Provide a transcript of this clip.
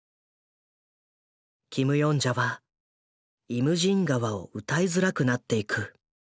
キム・ヨンジャは「イムジン河」を歌いづらくなっていく。